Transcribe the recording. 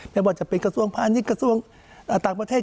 ไม่ว่าจะเป็นกระทรวงพาณิชย์กระทรวงต่างประเทศ